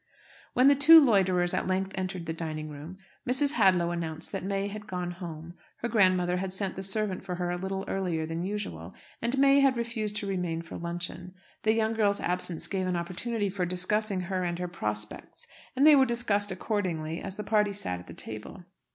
When the two loiterers at length entered the dining room, Mrs. Hadlow announced that May had gone home. Her grandmother had sent the servant for her a little earlier than usual, and May had refused to remain for luncheon. The young girl's absence gave an opportunity for discussing her and her prospects; and they were discussed accordingly, as the party sat at table.